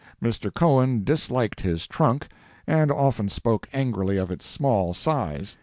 Mr. Cohen disliked his trunk, and often spoke angrily of its small size.